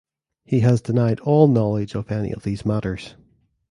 He has denied all knowledge of any of these matters.